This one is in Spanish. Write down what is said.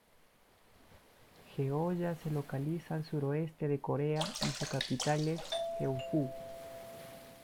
Jeolla se localiza al suroeste de Corea y su capital es Jeonju.